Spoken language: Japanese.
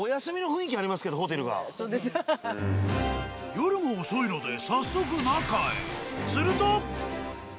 夜も遅いので早速中へ。